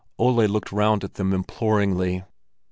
Ole looked round at them imploringly.